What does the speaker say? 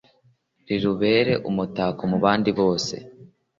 Rirubere umutako mu bandi bose